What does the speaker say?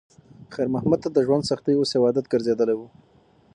خیر محمد ته د ژوند سختۍ اوس یو عادت ګرځېدلی و.